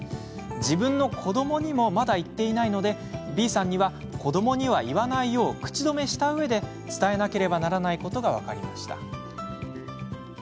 自分の子どもにもまだ言っていないのでＢさんには、子どもには言わないよう口止めしたうえで伝えなければならないことが分かりました。